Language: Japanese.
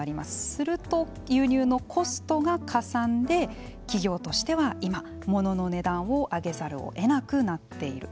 すると輸入のコストがかさんで企業としては今物の値段を上げざるを得なくなっている。